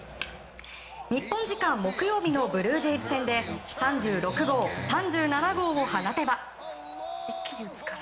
日本時間木曜日のブルージェイズ戦で３６号、３７号を放てば。